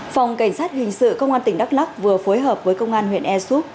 phòng cảnh sát hình sự công an tỉnh đắk lắk vừa phối hợp với công an huyện e soup